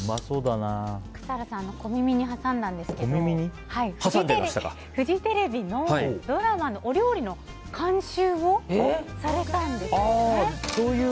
笠原さん小耳に挟んだんですけどフジテレビのドラマのお料理の監修をされたんですよね。